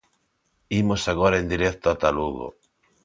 Imos agora en directo ata Lugo.